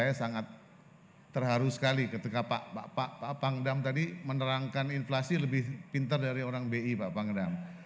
saya sangat terharu sekali ketika pak pangdam tadi menerangkan inflasi lebih pintar dari orang bi pak pangdam